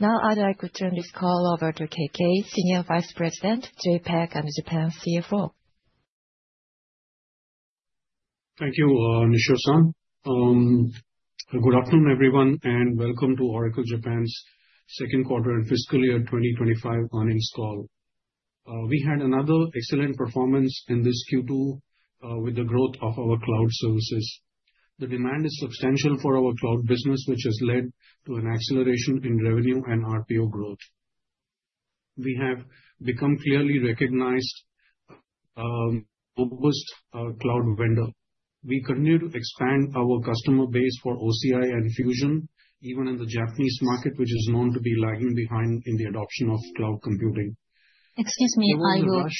Now I'd like to turn this call over to K.K., Senior Vice President, JAPAC and Japan's CFO. Thank you, Nishio-san. Good afternoon, everyone, and welcome to Oracle Japan's Second Quarter and Fiscal Year 2025 Earnings Call. We had another excellent performance in this Q2 with the growth of our cloud services. The demand is substantial for our cloud business, which has led to an acceleration in revenue and RPO growth. We have become clearly recognized as a robust cloud vendor. We continue to expand our customer base for OCI and Fusion, even in the Japanese market, which is known to be lagging behind in the adoption of cloud computing. Excuse me, I will. You're in charge.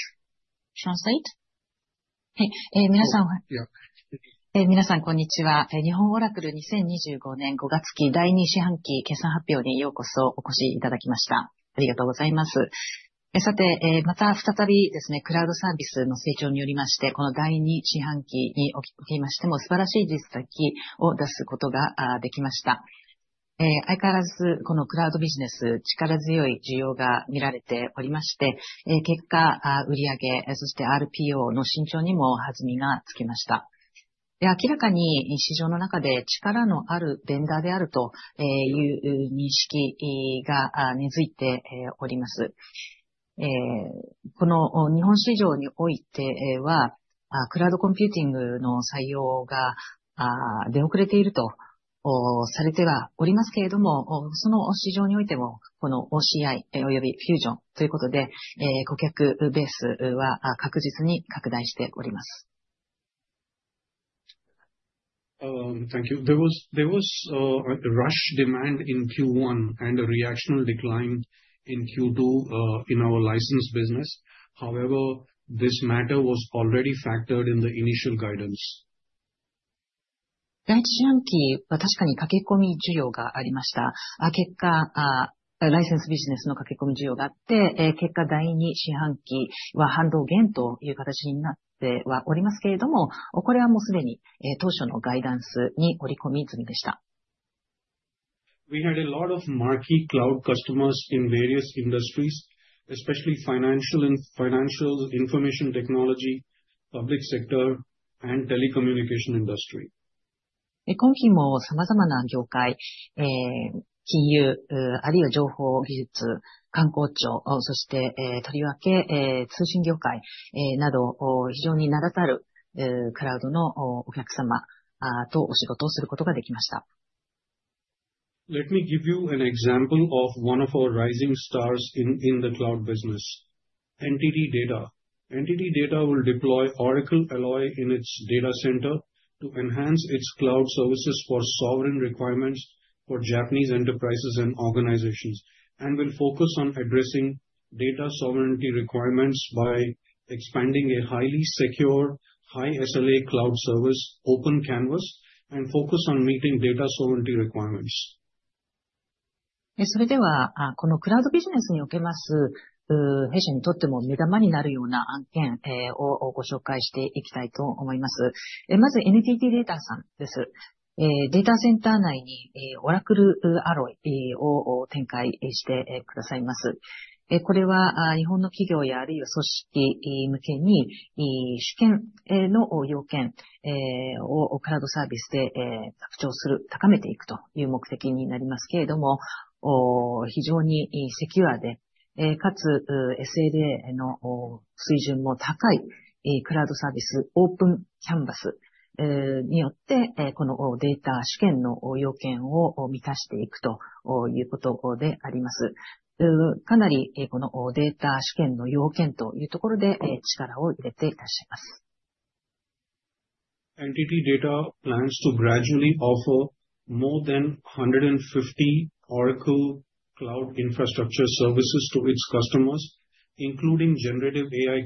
Translate? Okay. 皆さん。Yes. 皆さん、こんにちは。日本オラクル2025年5月期第2四半期決算発表にようこそお越しいただきました。ありがとうございます。さて、また再びクラウドサービスの成長によりまして、この第2四半期におきましても素晴らしい実績を出すことができました。相変わらずこのクラウドビジネス、力強い需要が見られておりまして、結果、売上、そしてRPOの伸長にも弾みがつきました。明らかに市場の中で力のあるベンダーであるという認識が根付いております。この日本市場においてはクラウドコンピューティングの採用が出遅れているとされてはおりますけれども、その市場においてもこのOCIおよびFusionということで顧客ベースは確実に拡大しております。Thank you. There was a rush demand in Q1 and a reactionary decline in Q2 in our license business. However, this matter was already factored in the initial guidance. 第1四半期は確かに駆け込み需要がありました。結果、ライセンスビジネスの駆け込み需要があって、結果、第2四半期は反動減という形になってはおりますけれども、これはもうすでに当初のガイダンスに織り込み済みでした。We had a lot of marquee cloud customers in various industries, especially financial, information technology, public sector, and telecommunication industry. 今期も様々な業界、金融、あるいは情報技術、官公庁、そしてとりわけ通信業界など、非常に名だたるクラウドのお客様とお仕事をすることができました。Let me give you an example of one of our rising stars in the cloud business: NTT DATA. NTT DATA will deploy Oracle Alloy in its data center to enhance its cloud services for sovereign requirements for Japanese enterprises and organizations, and will focus on addressing data sovereignty requirements by expanding a highly secure, high SLA cloud service, OpenCanvas, and focus on meeting data sovereignty requirements. NTT DATA plans to gradually offer more than 150 Oracle Cloud Infrastructure services to its customers, including generative AI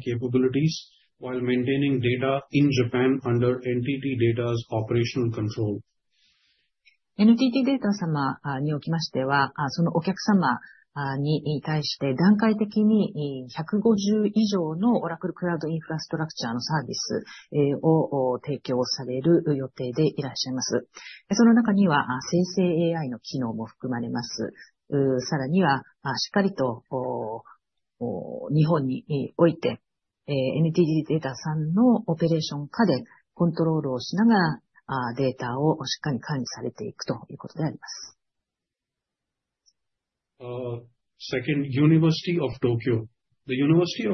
capabilities, while maintaining data in Japan under NTT DATA's operational control. NTTデータ様におきましては、そのお客様に対して段階的に150以上のOracleクラウドインフラストラクチャのサービスを提供される予定でいらっしゃいます。その中には生成AIの機能も含まれます。さらには、しっかりと日本においてNTTデータさんのオペレーション下でコントロールをしながらデータをしっかり管理されていくということであります。Second, University of Tokyo. The University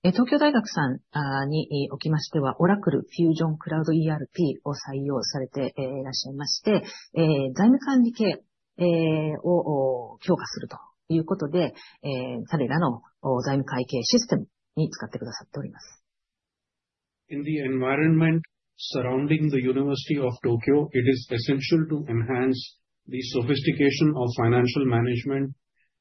of Tokyo adopts Oracle Fusion Cloud ERP as its financial accounting system to enhance financial management operations. それでは次に東京大学さんです。東京大学さんにおきましてはOracle Fusion Cloud ERPを採用されていらっしゃいまして、財務管理系を強化するということで彼らの財務会計システムに使ってくださっております。In the environment surrounding the University of Tokyo, it is essential to enhance the sophistication of financial management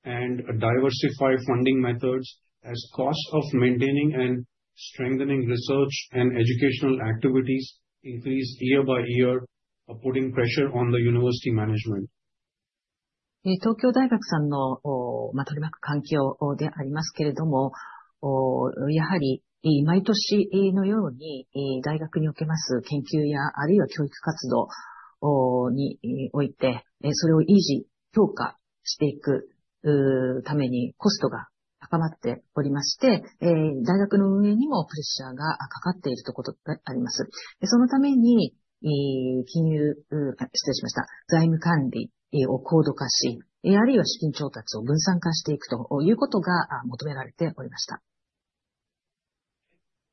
and diversify funding methods, as costs of maintaining and strengthening research and educational activities increase year by year, putting pressure on the university management. 東京大学さんの取り巻く環境でありますけれども、やはり毎年のように大学におけます研究やあるいは教育活動において、それを維持、強化していくためにコストが高まっておりまして、大学の運営にもプレッシャーがかかっているということであります。そのために財務管理を高度化し、あるいは資金調達を分散化していくということが求められておりました。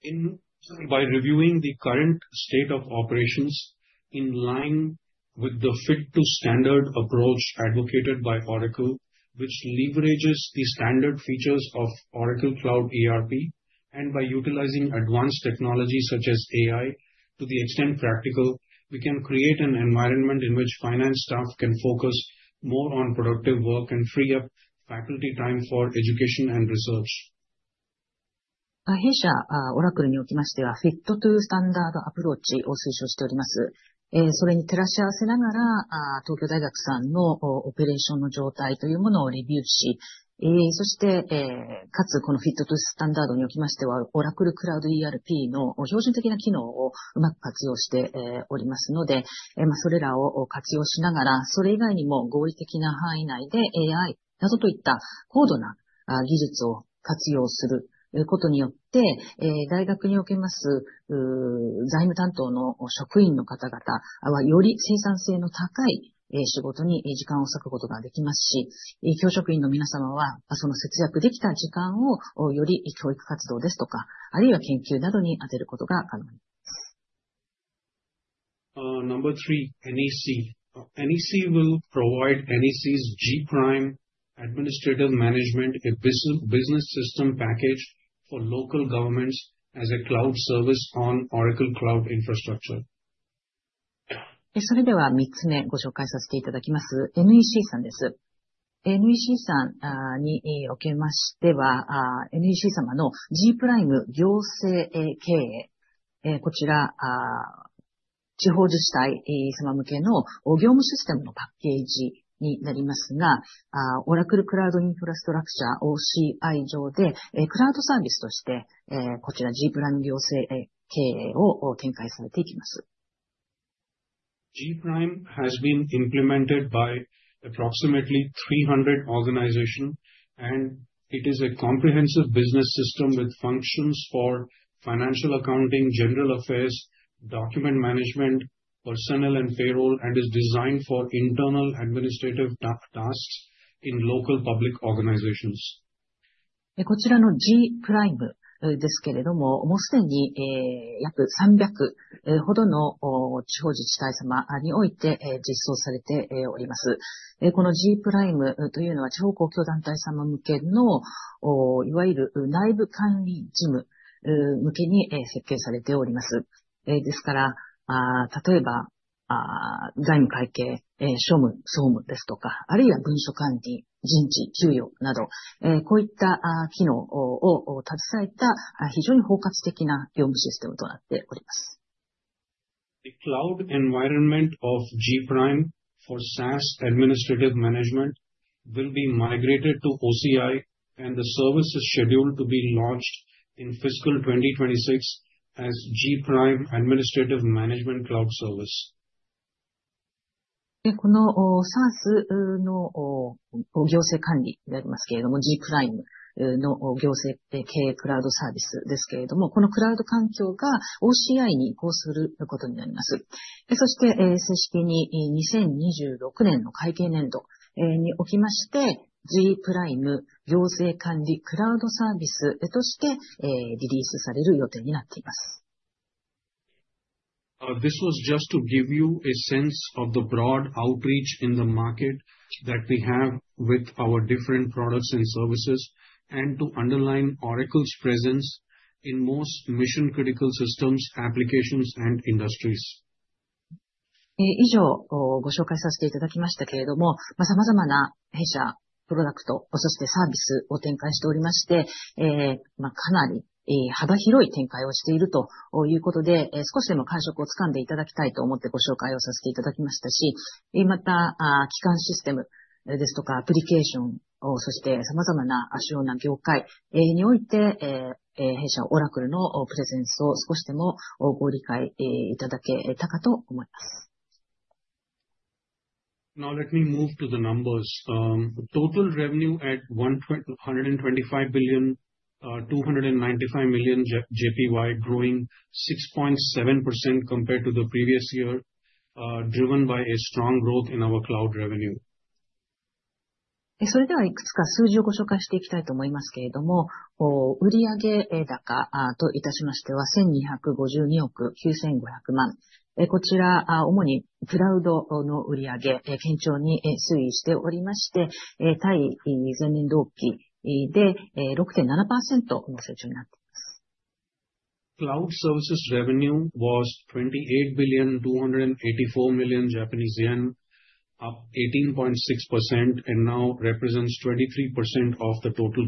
In summary, by reviewing the current state of operations in line with the fit-to-standard approach advocated by Oracle, which leverages the standard features of Oracle Cloud ERP, and by utilizing advanced technology such as AI to the extent practical, we can create an environment in which finance staff can focus more on productive work and free up faculty time for education and research. 弊社オラクルにおきましては、フィット・トゥ・スタンダードアプローチを推奨しております。それに照らし合わせながら、東京大学さんのオペレーションの状態というものをレビューし、そして、かつこのフィット・トゥ・スタンダードにおきましてはOracle Cloud ERPの標準的な機能をうまく活用しておりますので、それらを活用しながら、それ以外にも合理的な範囲内でAIなどといった高度な技術を活用することによって、大学におけます財務担当の職員の方々はより生産性の高い仕事に時間を割くことができますし、教職員の皆様はその節約できた時間をより教育活動ですとか、あるいは研究などに充てることが可能になります。Number three, NEC. NEC will provide NEC's GPRIME Administrative Management Business System package for local governments as a cloud service on Oracle Cloud Infrastructure. それでは3つ目、ご紹介させていただきます。NECさんです。NECさんにおきましては、NEC様のG-Prime行政経営、こちら地方自治体様向けの業務システムのパッケージになりますが、Oracle Cloud Infrastructure OCI上でクラウドサービスとしてこちらG-Prime行政経営を展開されていきます。GPRIME has been implemented by approximately 300 organizations, and it is a comprehensive business system with functions for financial accounting, general affairs, document management, personnel and payroll, and is designed for internal administrative tasks in local public organizations. こちらのGPRIMEですけれども、もうすでに約300ほどの地方自治体様において実装されております。このG-Primeというのは地方公共団体様向けのいわゆる内部管理事務向けに設計されております。ですから、例えば財務会計、庶務、総務ですとか、あるいは文書管理、人事、給与など、こういった機能を携えた非常に包括的な業務システムとなっております。The cloud environment of GPRIME for SaaS administrative management will be migrated to OCI, and the service is scheduled to be launched in fiscal 2026 as GPRIME Administrative Management Cloud Service. このSaaSの行政管理になりますけれども、GPRIMEの行政経営クラウドサービスですけれども、このクラウド環境がOCIに移行することになります。そして正式に2026年の会計年度におきまして、GPRIME行政管理クラウドサービスとしてリリースされる予定になっています。This was just to give you a sense of the broad outreach in the market that we have with our different products and services, and to underline Oracle's presence in most mission-critical systems, applications, and industries. 以上、ご紹介させていただきましたけれども、様々な弊社プロダクト、そしてサービスを展開しておりまして、かなり幅広い展開をしているということで、少しでも感触をつかんでいただきたいと思ってご紹介をさせていただきました。また基幹システムですとかアプリケーション、そして様々な主要な業界において、弊社オラクルのプレゼンスを少しでもご理解いただけたかと思います。Now let me move to the numbers. Total revenue at 125 billion, 295 million, growing 6.7% compared to the previous year, driven by strong growth in our cloud revenue. それではいくつか数字をご紹介していきたいと思いますけれども、売上高といたしましては¥1,252億9,500万、こちら主にクラウドの売上、堅調に推移しておりまして、対前年同期で6.7%の成長になっています。Cloud services revenue was JPY 28.284 billion, up 18.6%, and now represents 23% of the total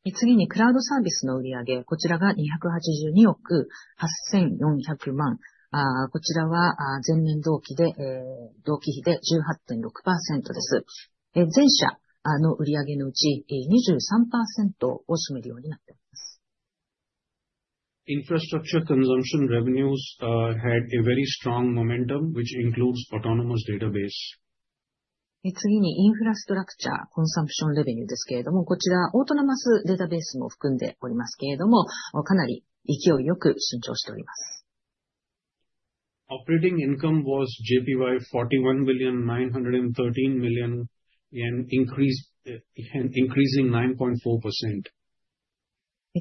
company's revenues. 次にクラウドサービスの売上、こちらが282億8,400万円、こちらは前年同期比で18.6%です。全社の売上のうち23%を占めるようになっております。Infrastructure consumption revenues had a very strong momentum, which includes Autonomous Database. 次にインフラストラクチャーコンサンプションレベニューですけれども、こちらオートノマスデータベースも含んでおりますけれども、かなり勢いよく伸長しております。Operating income was JPY 41,913 million, increasing 9.4%.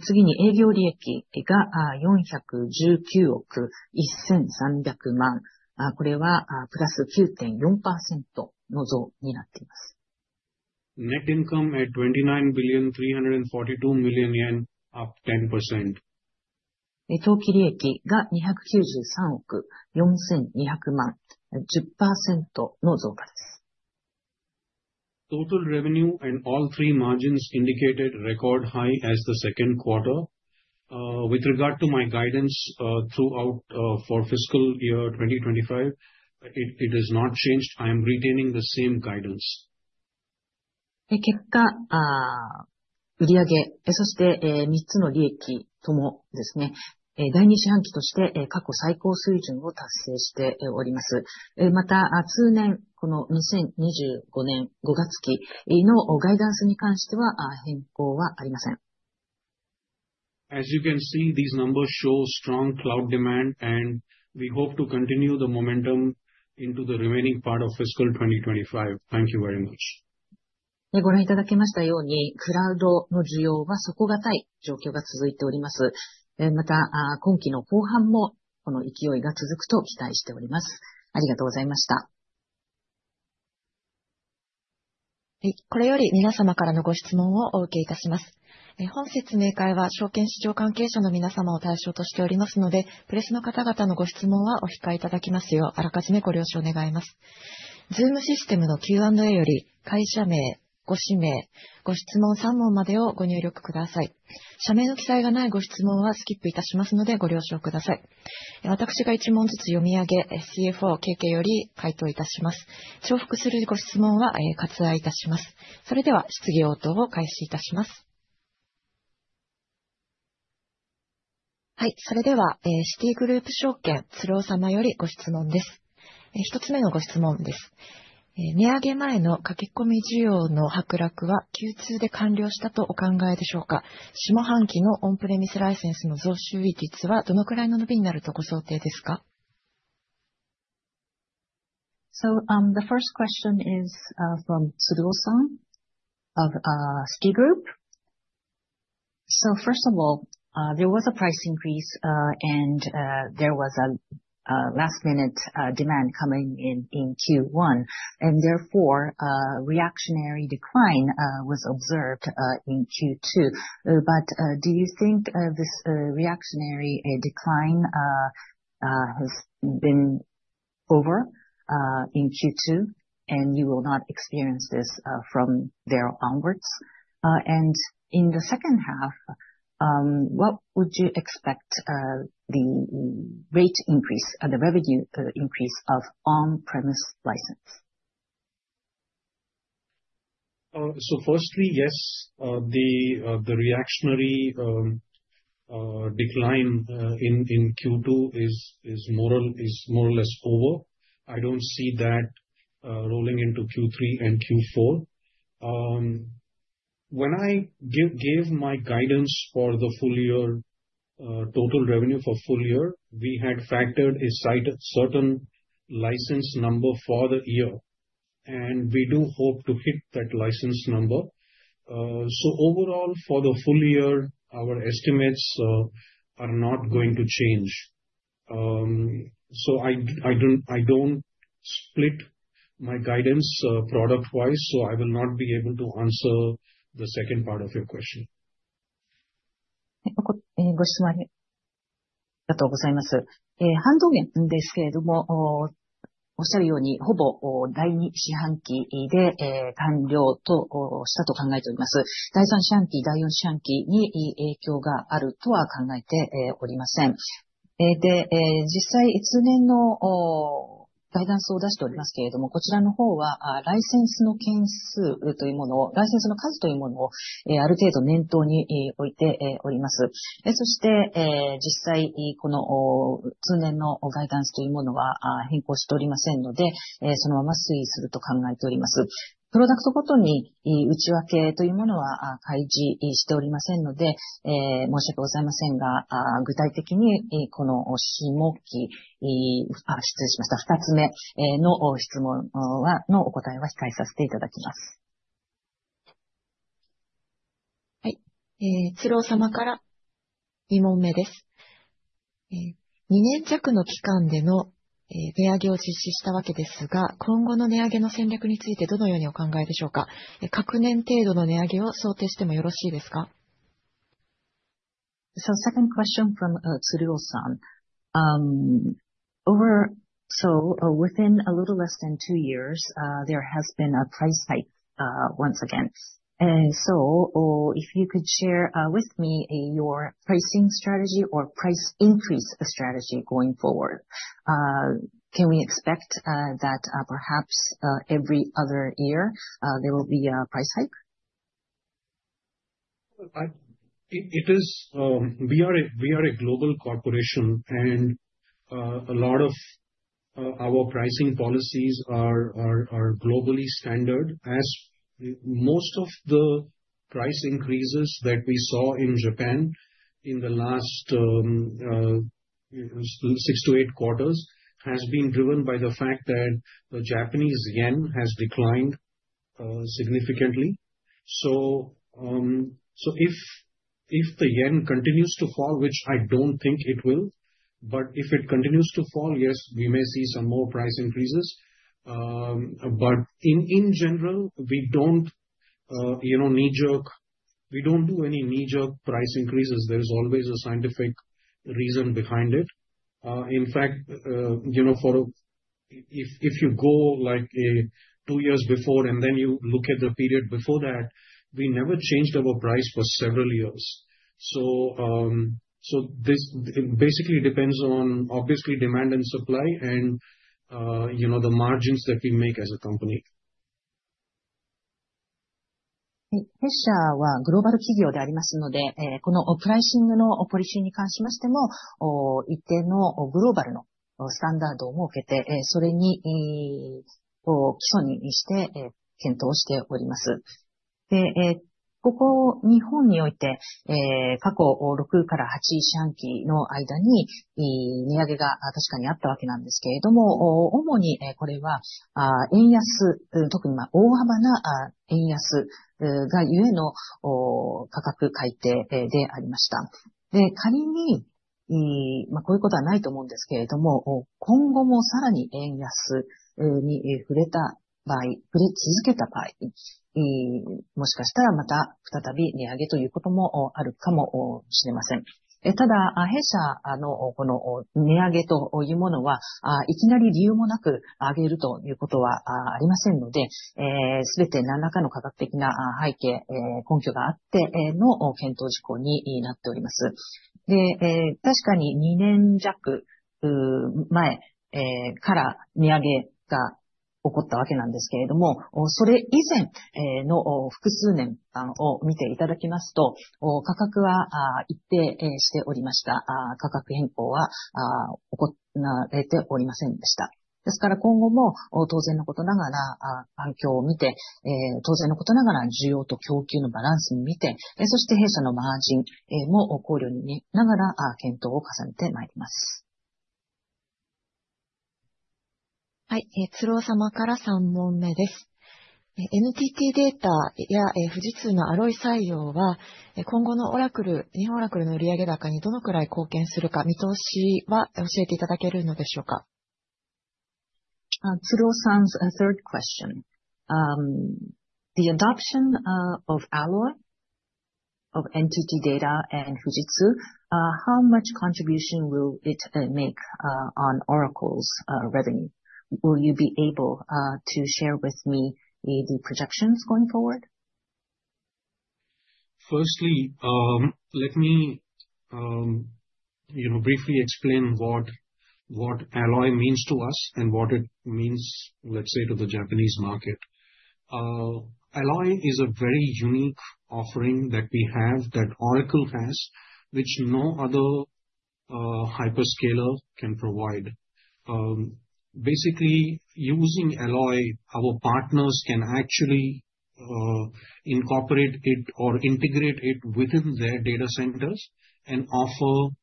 次に営業利益が419億1,300万円、これはプラス9.4%の増になっています。Net income at 29.342 billion, up 10%. 当期利益が293億4,200万円、10%の増加です。Total revenue and all three margins indicated record highs in the second quarter. With regard to my guidance for fiscal year 2025, it has not changed. I am retaining the same guidance. 結果、売上、そして3つの利益ともですね、第2四半期として過去最高水準を達成しております。また、通年、この2025年5月期のガイダンスに関しては変更はありません。As you can see, these numbers show strong cloud demand, and we hope to continue the momentum into the remaining part of fiscal 2025. Thank you very much. ご覧いただきましたように、クラウドの需要は底堅い状況が続いております。また、今期の後半もこの勢いが続くと期待しております。ありがとうございました。それではシティグループ証券、鶴尾様よりご質問です。1つ目のご質問です。値上げ前の駆け込み需要の剥落は急中で完了したとお考えでしょうか。下半期のオンプレミスライセンスの増収率はどのくらいの伸びになるとご想定ですか。The first question is from Tsuruo-san of Citigroup. First of all, there was a price increase and there was a last-minute demand coming in Q1, and therefore a reactionary decline was observed in Q2. But do you think this reactionary decline has been over in Q2 and you will not experience this from there onwards? And in the second half, what would you expect the rate increase, the revenue increase of on-premise license? Firstly, yes, the reactionary decline in Q2 is more or less over. I don't see that rolling into Q3 and Q4. When I gave my guidance for the full year, total revenue for full year, we had factored a certain license number for the year, and we do hope to hit that license number. Overall, for the full year, our estimates are not going to change. I don't split my guidance product-wise, so I will not be able to answer the second part of your question. 鶴尾様から2問目です。2年弱の期間での値上げを実施したわけですが、今後の値上げの戦略についてどのようにお考えでしょうか。隔年程度の値上げを想定してもよろしいですか。Second question from Tsuruo-san. Within a little less than two years, there has been a price hike once again. If you could share with me your pricing strategy or price increase strategy going forward, can we expect that perhaps every other year there will be a price hike? We are a global corporation, and a lot of our pricing policies are globally standard. Most of the price increases that we saw in Japan in the last six to eight quarters have been driven by the fact that the Japanese yen has declined significantly. If the yen continues to fall, which I don't think it will, but if it continues to fall, yes, we may see some more price increases. But in general, we don't do any knee-jerk price increases. There is always a scientific reason behind it. In fact, if you go two years before and then you look at the period before that, we never changed our price for several years. Basically, it depends on, obviously, demand and supply and the margins that we make as a company. Tsuruo-san, third question. The adoption of Alloy, of NTT DATA and Fujitsu, how much contribution will it make on Oracle's revenue? Will you be able to share with me the projections going forward? First, let me briefly explain what Alloy means to us and what it means to the Japanese market. Alloy is a very unique offering that we have, that Oracle has, which no other hyperscaler can provide. Basically, using Alloy, our partners can actually incorporate it or integrate it within their data centers and offer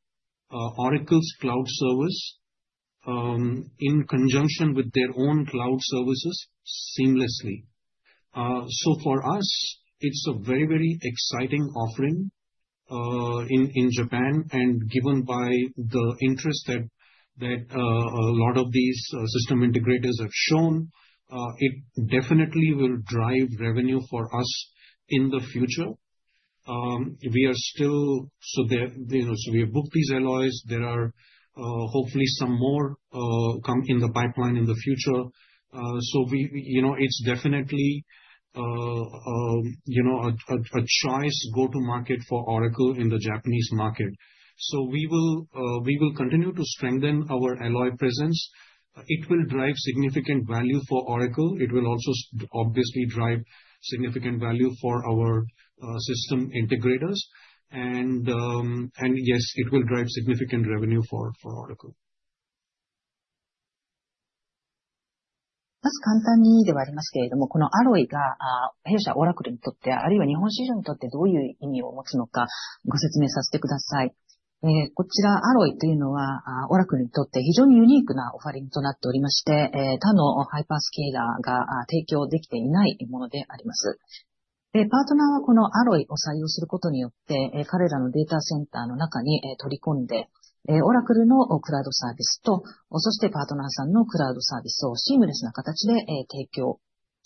Oracle's cloud service in conjunction with their own cloud services seamlessly. For us, it's a very exciting offering in Japan, and given the interest that a lot of these system integrators have shown, it definitely will drive revenue for us in the future. We have booked these Alloys. There are hopefully some more in the pipeline in the future. It's definitely a choice go-to-market for Oracle in the Japanese market. We will continue to strengthen our Alloy presence. It will drive significant value for Oracle. It will also obviously drive significant value for our system integrators. Yes, it will drive significant revenue for Oracle.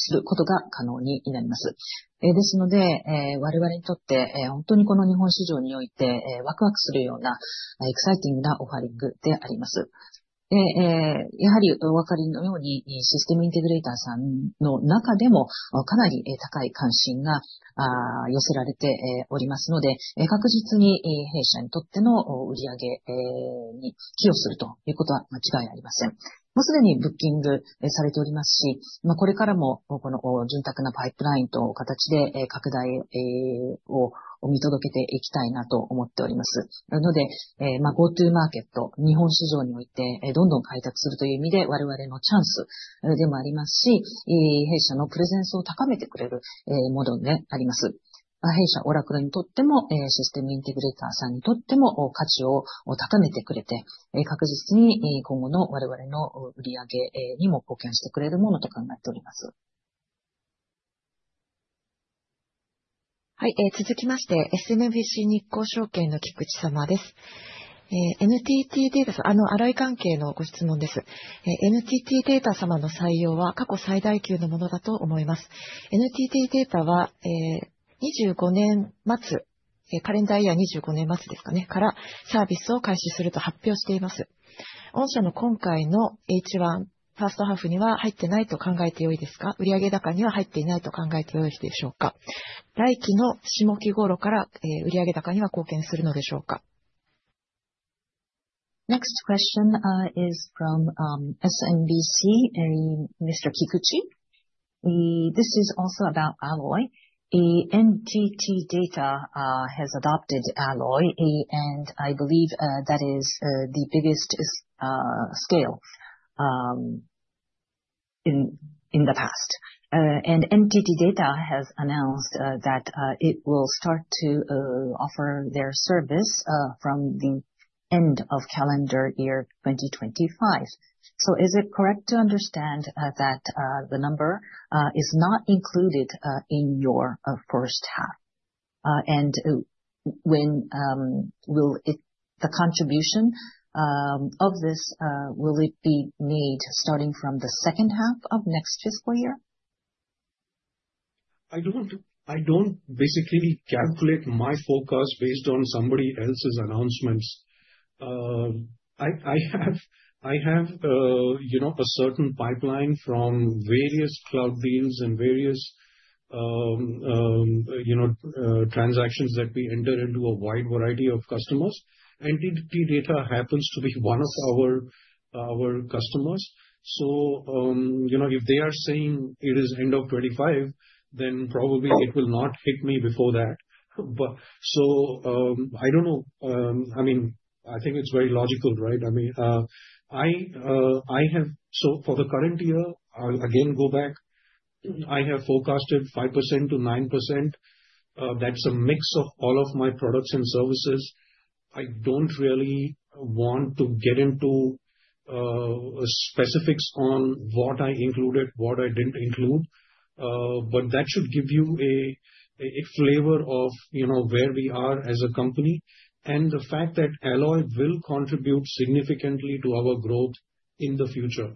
まず簡単にではありますけれども、このアロイが弊社オラクルにとって、あるいは日本市場にとってどういう意味を持つのか、ご説明させてください。こちらアロイというのはオラクルにとって非常にユニークなオファリングとなっておりまして、他のハイパースケーラーが提供できていないものであります。パートナーはこのアロイを採用することによって、彼らのデータセンターの中に取り込んで、オラクルのクラウドサービスと、そしてパートナーさんのクラウドサービスをシームレスな形で提供することが可能になります。ですので、我々にとって本当にこの日本市場においてワクワクするようなエクサイティングなオファリングであります。やはりお分かりのように、システムインテグレーターさんの中でもかなり高い関心が寄せられておりますので、確実に弊社にとっての売上に寄与するということは間違いありません。もうすでにブッキングされておりますし、これからもこの潤沢なパイプラインという形で拡大を見届けていきたいなと思っております。なので、Go to Market、日本市場においてどんどん開拓するという意味で我々のチャンスでもありますし、弊社のプレゼンスを高めてくれるものであります。弊社オラクルにとっても、システムインテグレーターさんにとっても価値を高めてくれて、確実に今後の我々の売上にも貢献してくれるものと考えております。続きまして、SMBC日興証券の菊地様です。NTTデータさん、アロイ関係のご質問です。NTTデータ様の採用は過去最大級のものだと思います。NTTデータは2025年末、カレンダーイヤー2025年末ですかね、からサービスを開始すると発表しています。御社の今回のH1、ファーストハーフには入ってないと考えてよいですか。売上高には入っていないと考えてよいでしょうか。来期の下期頃から売上高には貢献するのでしょうか。Next question is from SMBC, Mr. Kikuchi. This is also about Alloy. NTT DATA has adopted Alloy, and I believe that is the biggest scale in the past. NTT DATA has announced that it will start to offer their service from the end of calendar year 2025. Is it correct to understand that the number is not included in your first half? Will the contribution of this be made starting from the second half of next fiscal year? I don't basically calculate my forecast based on somebody else's announcements. I have a certain pipeline from various cloud deals and various transactions that we enter into a wide variety of customers. NTT DATA happens to be one of our customers. If they are saying it is end of '25, then probably it will not hit me before that. I don't know. I think it's very logical, right? For the current year, I'll again go back. I have forecasted 5% to 9%. That's a mix of all of my products and services. I don't really want to get into specifics on what I included, what I didn't include. But that should give you a flavor of where we are as a company and the fact that Alloy will contribute significantly to our growth in the future.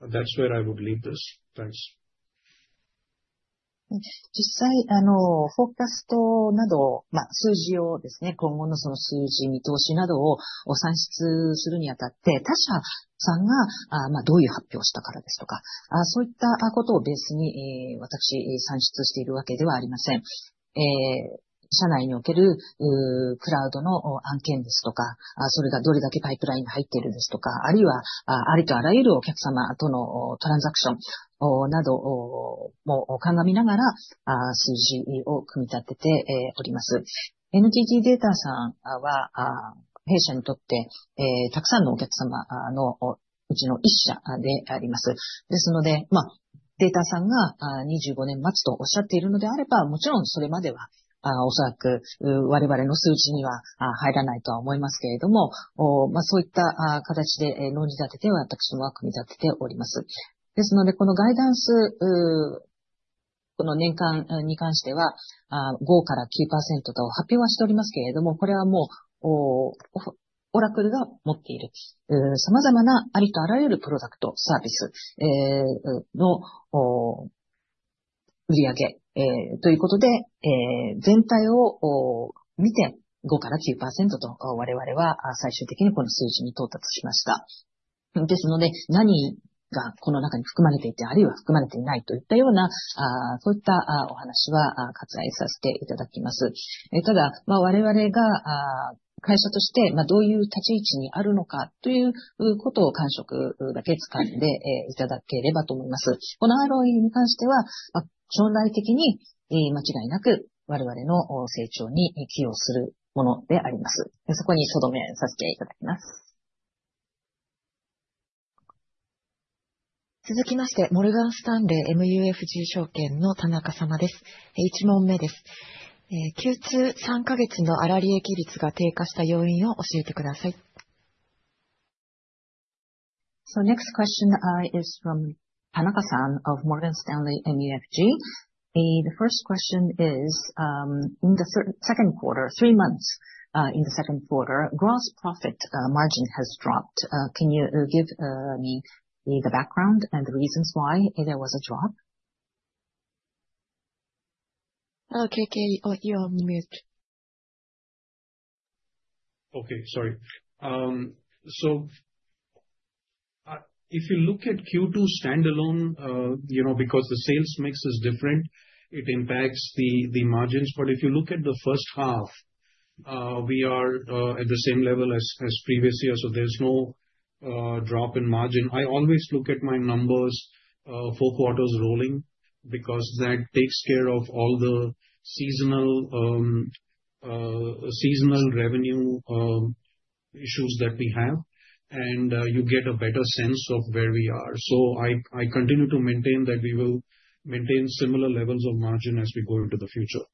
That's where I would leave this. Thanks. 続きまして、モルガン・スタンレーMUFG証券の田中様です。1問目です。Q2、3か月の粗利益率が低下した要因を教えてください。Next question is from Tanaka-san of Morgan Stanley MUFG. The first question is, in the second quarter, three months in the second quarter, gross profit margin has dropped. Can you give me the background and the reasons why there was a drop? Okay, K.K. you're on mute. Okay, sorry. If you look at Q2 standalone, because the sales mix is different, it impacts the margins. But if you look at the first half, we are at the same level as previous year, so there's no drop in margin. I always look at my numbers four quarters rolling because that takes care of all the seasonal revenue issues that we have, and you get a better sense of where we are. So I continue to maintain that we will maintain similar levels of margin as we go into the future.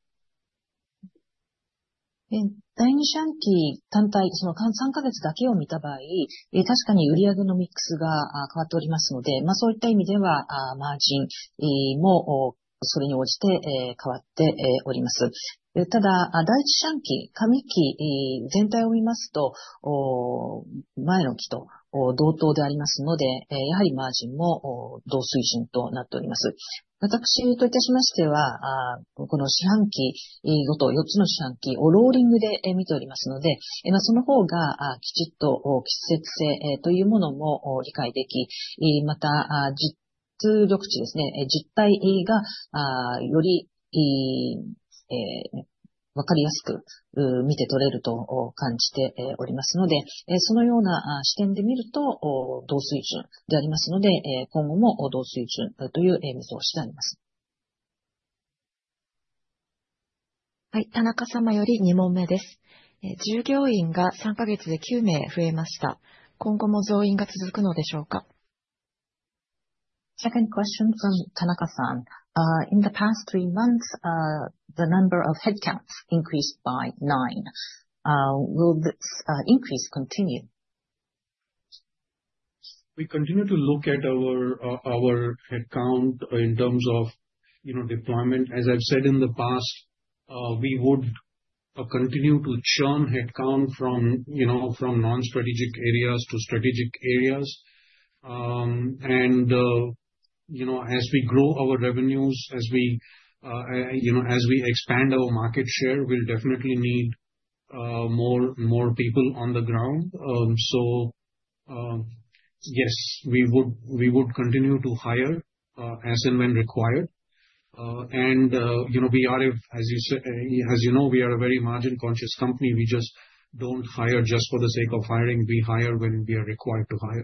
田中様より2問目です。従業員が3か月で9名増えました。今後も増員が続くのでしょうか。Second question from Tanaka-san. In the past three months, the number of headcounts increased by nine. Will this increase continue? We continue to look at our headcount in terms of deployment. As I've said in the past, we would continue to churn headcount from non-strategic areas to strategic areas. As we grow our revenues, as we expand our market share, we'll definitely need more people on the ground. Yes, we would continue to hire as and when required. We are, as you know, we are a very margin-conscious company. We just don't hire just for the sake of hiring. We hire when we are required to hire.